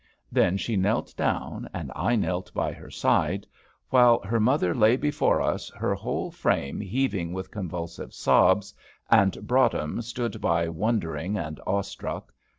Then she knelt down, and I knelt by her side, while her mother lay before us, her whole frame heaving with convulsive sobs, and Broadhem stood by wondering and awestruck.